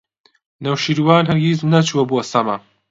نەوشیروان هەرگیز نەچووە بۆ سەما.